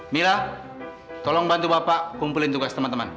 mila tolong bantu bapak kumpulin tugas teman teman